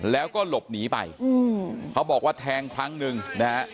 แล้วก็หลบหนีไปเขาบอกว่าแทงครั้งหนึ่งนะฮะ